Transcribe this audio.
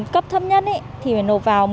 cấp thấp nhất thì phải nộp vào một mươi một triệu